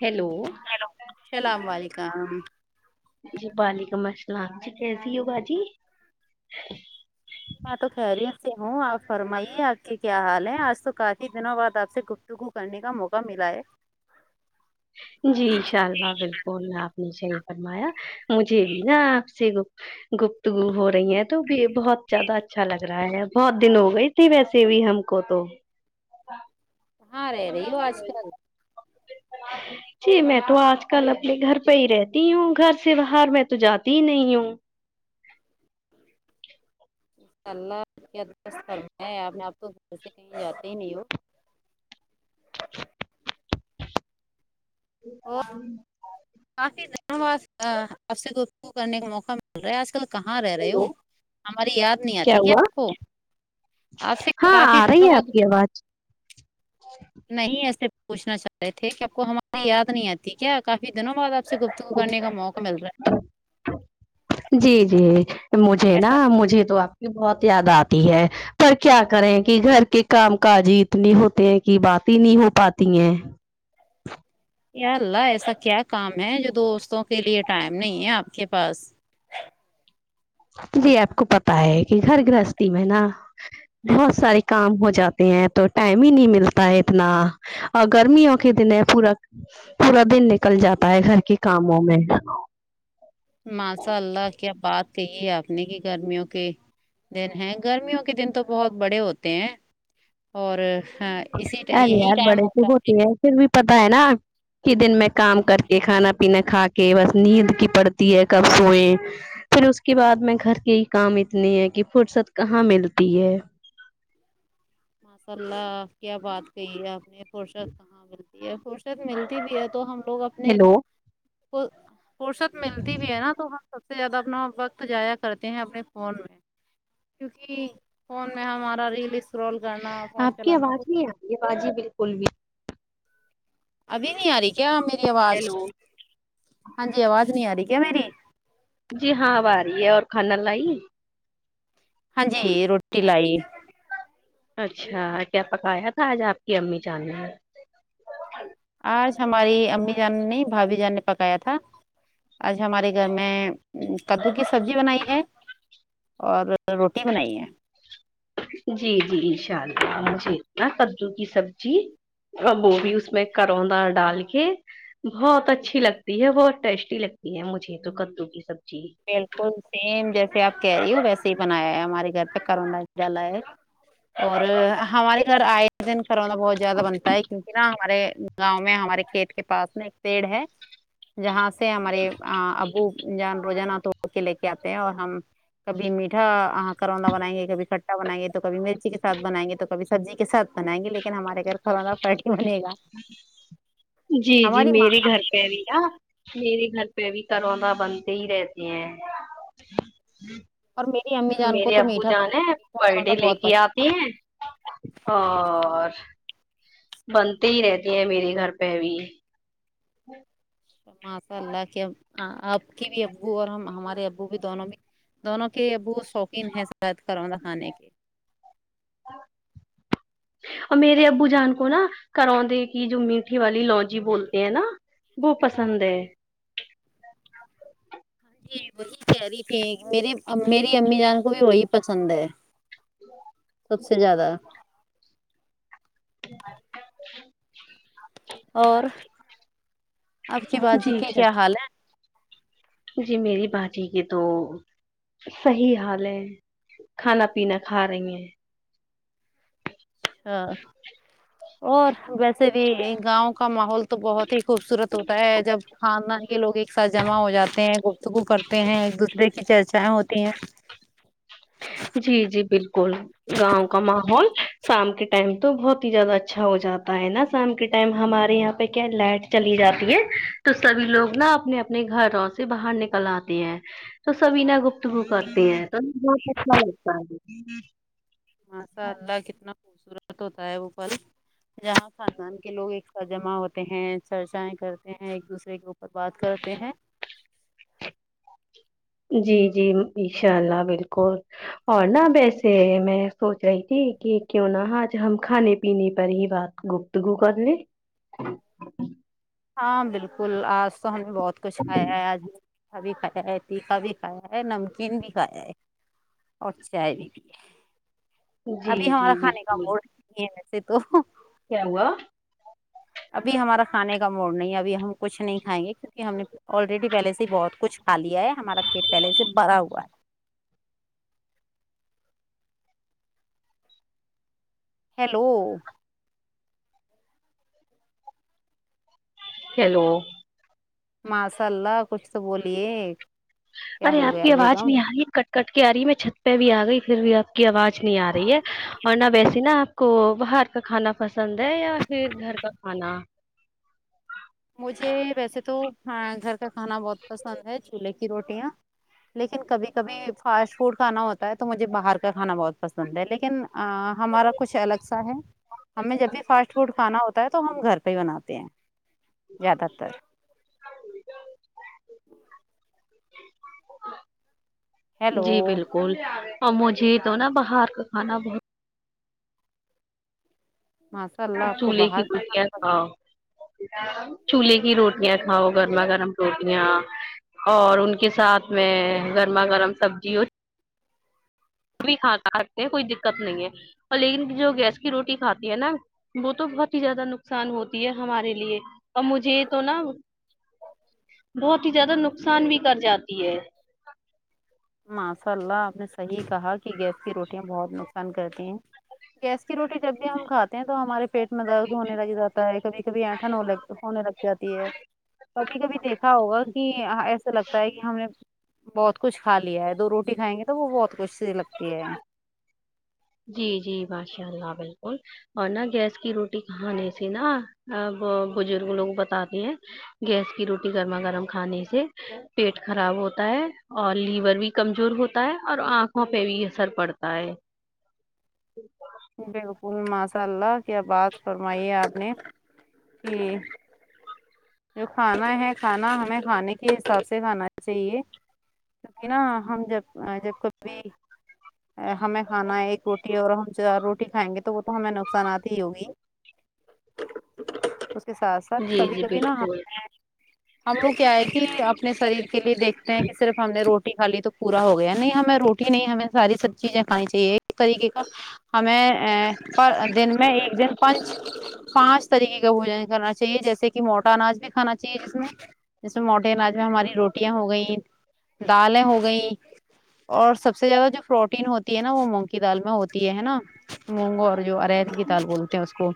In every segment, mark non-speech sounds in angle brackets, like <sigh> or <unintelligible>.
hello السلام علیکم جی وعلیکم السلام جی کیسی ہو باجی میں تو خیریت سے ہوں آپ فرمائیے آپ کے کیا حال ہے آج تو کافی دنوں بعد آپ سے گفتگو کرنے کا موقع ملا ہے جی انشا اللہ بالکل آپ نے صحیح فرمایا مجھے بھی نا آپ سے گفتگو ہو رہی ہیں تو بھی بہت زیادہ اچھا لگ رہا ہے بہت دن ہو گئی ویسے بھی ہم کو تو کہاں رہ رہی ہو آج کل <unintelligible> جی میں تو آج کل اپنے گھر پہ ہی رہتی ہوں گھر سے باہر میں تو جاتی ہی نہیں ہوں اللہ کی <unintelligible> کرم آپ نے آپ کو جیسے کہیں جاتے ہی نہیں ہو اور <unintelligible> کافی دنوں بعد آپ سے گفتگو کرنے کا موقع مل رہا ہے آج کل کہاں رہ رہے ہو ہیلو ہماری یاد نہیں آتی کیا آپ کو آپ سے ہاں کافی آ رہی دنوں ہے بعد آپ کی آواز نہیں ایسے پوچھنا چاہ رہے تھے کہ آپ کو ہماری یاد نہیں آتی کیا کافی دنوں بعد آ پ سے گفتگو کرنے کا موقع مل رہا ہے جی جی مجھے نا ایسا مجھے تو آپ کی بہت یاد آتی ہے پر کیا کریں کہ گھر کے کام کاج ہی اتنے ہوتے ہیں کہ بات ہی نہیں ہو پاتی ہیں یا اللہ ایسا کیا کام ہے جو دوستوں کے لیے ٹائم نہیں ہے آپ کے پاس جی آپ کو پتا ہے کہ گھر گھرستی میں نا بہت سارے کام ہو جاتے ہیں تو ٹائم ہی نہیں ملتا ہے اتنا اور گرمیوں کے دن پورا پورا دن نکل جاتا ہے گھر کے کاموں میں ماشاء اللہ کیا بات کہی ہے آپ نے کہ گرمیوں کے دن ہیں گرمیوں کے دن تو بہت بڑے ہوتے ہیں اور ہاں، اسی ٹا- ارے یہی یار ٹائم بڑے تو ہوتا ہے ہوتے ہیں پھر بھی پتا ہے نا ہی دن میں کام کر کے کھانا پینا کھا کے بس نیند کی پڑتی ہے کب سوئیں پھر اس کے بعد میں گھر کے ہی کام اتنے ہے کہ فرصت کہاں ملتی ہے ماشاء اللہ کیا بات کہی آپ نے فرصت کہاں ملتی فرصت ملتی بھی ہے تو ہم لوگ اپنے ہیلو کو فرصت ملتی بھی ہے نا تو ہم سب سے زیادہ اپنا وقت جایا کرتے ہیں اپنے فون میں کیونکہ فون میں ہمارا ریل انسکرال کرنا فون چلانا ب یہ باجی بالکل بھی ابھی نہیں آ رہی کیا میری آواز ہیلو ہاں جی آواز نہیں آ رہی کیا میری جی ہاں آب آ رہی ہے اور کھانا لائیے ہاں جی روٹی لائی اچھا کیا پکایا تھا آج آپ کی امی جان نے آج ہماری امی جان نے بھابھی جان نے پکایا تھا آج ہمارے گھر میں کدو کی سبزی بنائی ہے اور روٹی بنائی ہے جی جی ان شاء اللہ مجھے نا کدو کی سبزی ا وہ بھی اس میں کروندہ ڈال کے بہت اچھی لگتی ہے بہت ٹیسٹی لگتی ہے مجھے تو کدو کی سبزی بالکل سیم جیسے آپ کہہ رہی ہو ویسے ہی بنایا ہے ہمارے گھر پہ کروندہ ہی ڈالا ہے اور ہمارے گھر آئے دن کروندہ بہت زیادہ بنتا ہے کیونکہ نا ہمارے گاؤں میں ہمارے کھیت کے پاس نا ایک پیڑ ہے جہاں سے ہمارے ابو جان روزانہ توڑ کے لے کے آتے ہیں اور ہم کبھی میٹا آ کروندہ بنائیں گے کب کھٹا بنائیںے تو کبھی مرچی کے ساتھ بنائ گے توبھی سبزی کے ساتھ بنائیں گے لیکن ہمارے گھر کلہ فرٹی بنے گا جی جی ہماری ماں <unintelligible> اور میری امی جان کو میرے تو ابو میٹھا جان ہے میٹھا پر کروندا ڈے لے بہت کے پسند آتے ہیں اور بنتے ہی رہتے ہیں میرے گھر پے بھی ماشاء اللہ کے آپ کی بھی ابو اور ہم ہمارے ابو بھی دونوں میں دونوں کے ابو شوقین ہیں کروں دکھانے کے اور میرے ابو جان کو نا کروندے کی جو میٹھی والی لوجی بولتے ہیں نا وہ پسند ہے جی وہی کہری تھی میری میری امی جان کو بھی وہی پسند ہے سب سے زیادہ <inaudible> اور آپ کی باجی جی کی اچھا کیا حال ہے جی میری باجی ہے کہ تو صحیح حال ہے کھانا پینا کھا رہی ہیں آ اور ویسے بھی گاؤں کا ماحول تو بہت ہی خوبصورت ہوتا ہے جب کھاندان کے لوگ ایک ساتھ جمع ہو جاتے ہیں گفتگو کرتے ہیں ایک دوسرے کی چرچائیں ہوتی ہیں جی جی بالکل گاؤں کا ماحول شام کے ٹائم تو بہت ہی زیادہ اچھا ہو جاتا ہے نا شام کے ٹائم ہمارے یہاں کیا لائٹ چلی جاتی ہے تو سبھی لوگ نا اپنے اپنے گھروں سے باہر نکل آتے ہیں تو سبھی نہ گپتگو کرتے ہیں تو بہت اچھا لگتا ہے ماشاء اللہ کتنا خوبصورت ہوتا ہے وہ پل جہاں خاندان کے لوگ ایک ساتھ جمع ہوتے ہیں چرچائیں کرتے ہیں ایک دوسرے کو اور بات کرتے ہیں جی جی انشاء اللہ بالکل اور نا ویسے میں سوچ رہی تھی کی کیوں نہ آج ہم کھانے پینے پر ہی بات گپ تگو کرلے ہاں بالکل آج تو ہم نے بہت کچھ کھایا ہے آج تھا بھی کھایا ہے تیکھا بھی کھایا ہے نمکین بھی کھایا ہے اور چائے بھی پی ہے ابھی جی ہوا جی کھانے کا بالکل موڑ یے وسے تو کیا ہوا ابھی ہمارا کھانے کا موڈ نہیں ہے اب ہم کچھ نہیں کھائیں گے کہ ہم نے آلریڈی پہلے سے ہی بہت کچھ کھا لیا ہے ہمارا پیٹ پہلے سے بھرا ہوا ہے ہیلو ہیلو ماشاء اللہ کچھ تو بولیے کیا ارے ہو آپ گیا کی آواز بیگم نہیں آ رہی کٹ کٹ کے آ رہی میں چھت پے بھی آ گئی فیر بھی آپ کی آواز نہیں آ رہی ہے اور نہ ویسی نا آپ کو باہر کا کھانا پسند ہے یا فیر گھر کا کھانا مجھے ویسے تو گھر کا کھانا بہت پسند ہے چولہے کی روٹیاں لیکن کبھی کبھی فاسٹ فوڈ کھانا ہوتا ہے تو مجھے باہر کا کھانا بہت پسند ہے لیکن ہمارا کچھ الگ سا ہے ہمیں جب بھی فاسٹ فوڈ کھانا ہوتا ہوتا ہے تو ہم گھر پے ہی بناتے ہیں زیادہ تر <unintelligible> ہ ہیلو جی بالکل اور مجھے تو نا باہر کا کھانا بہت ہاں چولہے کی رٹیاں تھا چولہے کی روٹیاں تھا وہ گرما گرم روٹیاں اور ان کے ساتھ میں گرما گرم سبزیوں بھی کھا کا رکھتے ہیں کوئی دقت نہیں ہے اور لیکن جو گیس کی روٹی کھاتی ہے نا وہ تو بہت ہی زیادہ نقصان ہوتی ہے ہمارے لیے اور مجھے یہ تو نا بہت ہی زیادہ نقصان بھی کر جاتی ہے ماشاء اللہ آپ نے صحیح کہا کہ گیس کی روٹیاں بہت نقصان کرتی ہیں گیس کی روٹی جب بھی ہم کھاتے تو ہمارے پیٹ میں درد ہونے لگ جاتا ہے کبھی کبھی اینٹھن ہوگ ہونے لگ جاتی ہے کبھی کبھی دیکھا ہوگا کہ ایسا لگتا ہے کہ ہم نے بہت کچھ کھا لیا ہے دو روٹی کھائیں گے تو وہ بہت کچھ سی لگتی ہے جی جی باشاء اللہ بالکل اور نا گیس کی روٹی کہانے سے نا بزرگ لوگ بتاتے ہیں گیس کی روٹی گرما گرم کھانے سے پیٹ خراب ہوتا ہے اور لیور بھی کمزور ہوتا ہے اور آنکھوں پہ بھی اثر پڑتا ہے ج بالکل ماشاء اللہ کیا بات فرمائی ہے آپ نے کہ جو کھانا ہے کھانا ہمیں کھانے کے حساب سے کھانا چاہیے کیونکہ نا ہم جب جب کبھی ہمیں کھانا ہے ایک روٹی اور ہم چار روٹی کھائیں گے تو وہ تو ہمیں نقصانات ہی ہوگی اس کے ساتھ ساتھ جی سبھی جی کا بالکل ہم لوگ کیا ہے کہ اپنے شریر کے لیے دیکھتے ہیں کہ صرف ہم نے روٹی کھا لی تو پورا ہو گیا نہیں ہمیں روٹی نہیں ہمیں ساری سب چیزیں کھانی چاہیے ایک طریقے کا ہمیں ا پر دن میں ایک دن پچ پانچ طریقے کا بوجن کرنا چاہیے جیسے کہ کہ موٹا اناج بھی کھانا چاہیے جس میں جیسے موٹے اناج میں ہماری روٹیاں ہو گئیں دالیں ہو گئیں اور سب سے زیادہ جو پروٹین ہوتی ہے نا وہ مونگک کی دال میں ہوتی ہے نا مونگو اور جو اریت کی تال بولتے ہیں اس کو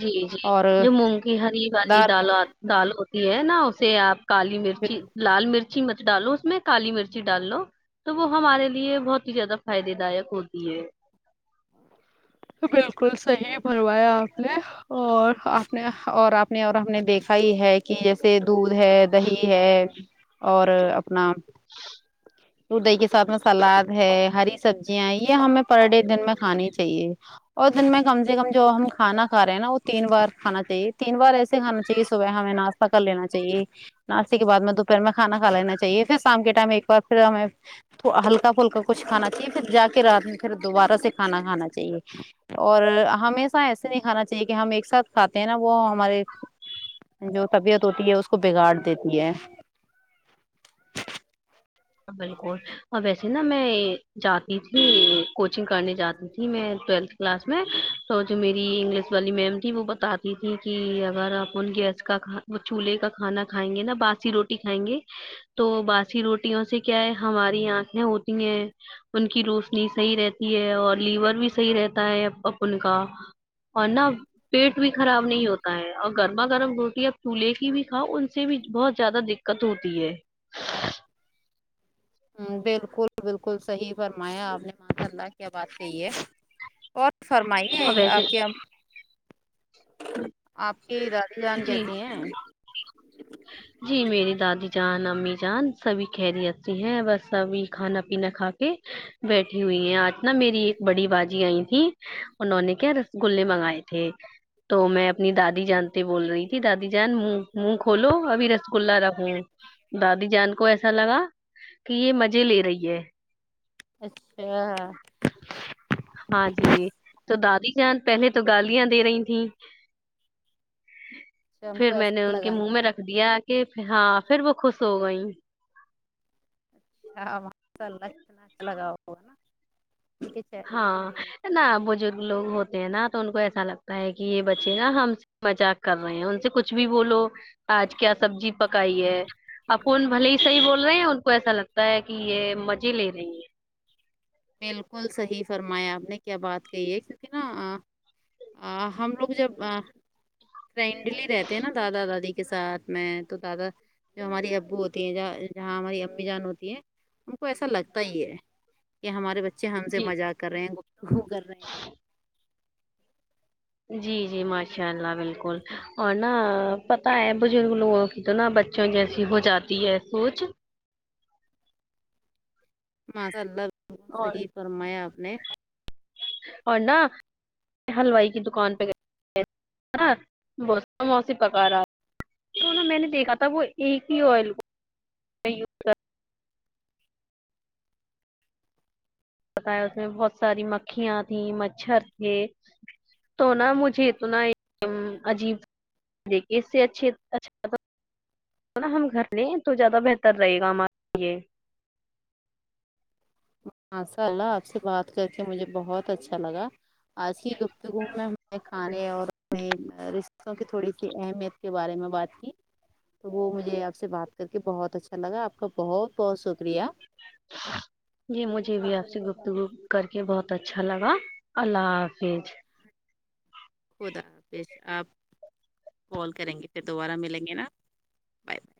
جی جی اور جو مونگ کی ہری والی دال دال ہوتی ہے نا اسے آپ کالی مرچی لال مرچی مت ڈالو اس میں کالی مرچی ڈال لو تو وہ ہمارے لیے بہت ہی زیادہ فائدے دائک ہوتی ہے تو بالکل صحیح فرمایا آپ نے اور آپ نے اور آپ نے اور ہم نے دیکھا ہی ہے کہ جیسے دودھ ہے دہی ہے اور اپنا ج تو دہ کے ساتھ میں سلاد ہے ہری سبزیاں یہ ہمیں پر ڈے دن میں کھانی چاہیے اور دن میں کم سے کم جو ہم کھانا کھ رہے ہیں نا وہ تین بار کھانااہے تین بار ایسے کھا چاہیے صبح ہمیں ناشہ کر لینا چاہیےاستے کے بعد میں دوپہر میں کانا کھا لینا چاہے پھر شام کے ٹائم ایک بار پھر ہمیں ہلکا پھلکا کچھ کھانا چاہیے پھر جا کے رات میں پھر دوبارہ سے کھاناھانا چاہیے اور ہمیشہ ایسے نہیں کھانا چاہیے کہ ہم ایک ساتھ کھاتے ہیں نا وہ ہمارے جو طبیعت ہوتی ہے اس کو بگاڑ دیتی ہے بالک اور ویسے نا میں جاتی تھی کوچنگ کرنے جاتی تھی میں ٹویلتھ کلاس میں تو جو میری انگلش والی میم تھی وہ بتاتی تھی کہ اگر آپ ان گیس کا وہ چولہے کا کھانا کھائیں گے نا باسی روٹی کھائیں گے تو باسی روٹیوں سے کیا ہے ہماری آنکھیں ہوتی ہیں ان کی روشنی صحیح رہتی ہے اور لیور بھی صحیح رہتا ہے اپنکا کا اور نا پیٹ بھی خراب نہیں ہوتا ہے اور گرما گرم روٹی اب پھولے بھی کھاؤ ان سے بھی بہت زیادہ دق کت ہوتی ہے <inaudible> ہ بالکل بالکل صحیح فرمایا آپ نے ماشا اللہ کیا بات کہی ہے اور فرمائیے اور ویسے آپ کیا جی کی دادی جان کیسی ہیں جی میری دادی جان امی جان سبھی خیریت سے ہیں بس سبھی کھانا پینا کھا کے بیٹھی ہوئی ہے آج نا میری ایک بڑی باجی آئی تھی انہوں نے کیا رس گلے منگائے تھے تو میں اپنی دادی جان تے بول رہی تھی دادی جان مو مو کھولو ابھی رسگلا رکھوں دادی جان کو ایسا لگا کہ یہ مزے لے رہی ہے اچھا ہاں جی تو دادی جان پہلے تو گالیاں دے رہی تھی <inaudible> پھر میں نے ایسا ان کے لگا نا منہ میں رکھ دیا کہ ہاں پھر وہ خوش ہو گئیں اچھا ماشا اللہ کتنا اچھا لگا ہوگا ان کے چہرے پے ہاں خوشی دیکھ نا کے بزرگ لوگ ہوتے ہیں نا تو ان کو ایسا لگتا ہے کہ یہ بچے نا ہم مزاق کر رہے ہیں ان سے کچھ بھی بولو آج کیا سبزی پکائی ہے اپون بھلے ہی صحیح بول رہے ہیں ان کو ایسا لگتا ہے کہ یہ مزے لے رہی ہیں بالکل صحیح فرمایا آپ نے کیا بات کہی ہے کیونکہ نا ہم لوگ جب فرینڈلی رہتے ہیں نا دادا دادی کے ساتھ میں تو دادا جو ہماری ابو ہوتی ہیں جا جہاں ہماری امی جان ہوتی ہیں ان کو ایسا لگتا ہی ہے یہ ہمارے بچے ہم سے جی مزاق کر رہے ہیں گفتگو کر رہے ہیں <inaudible> جی جی ماشاء اللہ بالکل اور نا پتا ہے بزرک لوگوں کی تو نا بچوں جیسی ہو جاتی ہے سوچ ماشاء اللہ بالکل اور صحیح فرمایا آپ نے اور نہ ہلوائی کی دکان پہ گئے آ بس موسی پکا رہا تو نا میں نے دیکھا تھا وہ ایک ہی آئل کو یوس بتایا اس میں بہت ساری مکھیاں تھیں مچھر تھے تو نا مجھے اتنا عجیب دیکھیے اس سے اچھھی اچھا نا ہم گھر لیں تو زیادہ بہتر رہے گا ہمارے لیے ماشاء اللہ آپ سے بات کر کے مجھے بہت اچھا لگا آج کی گفتگو میں ہمیں کھانے اور اپنے رشتوں کی تھوڑی سی اہمیت کے بارے میں بات کی تو وہ مجھے آپ سے بات کر کے بہت اچھا لگا آپ کا بہت بہت شکریہ <unintelligible> جی مجھے بھی آپ سے گفتگو کر کے بہت اچھا لگا اللہ حافظ خدا حافظ آپ کال کریں گے پھر دوبارہ ملیں گے نا بائے بائے